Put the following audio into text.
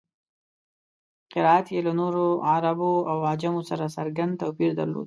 قرائت یې له نورو عربو او عجمو سره څرګند توپیر درلود.